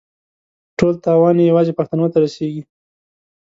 ټول تاوان یې یوازې پښتنو ته رسېږي.